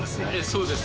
そうです。